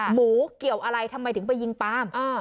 หมูเกี่ยวอะไรทำไมถึงไปยิงปาม